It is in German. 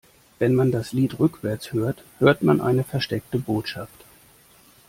Wenn man das Lied rückwärts hört, hört man eine versteckte Botschaft.